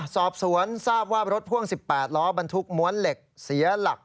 สอบสวนทราบว่ารถพ่วง๑๘ล้อบรรทุกม้วนเหล็กเสียหลัก